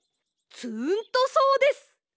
つーんとそうです。